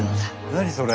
何それ？